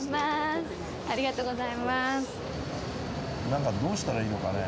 なんかどうしたらいいのかね？